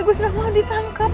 gue gak mau ditangkap